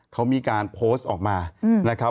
เขามีการโพสต์ออกมา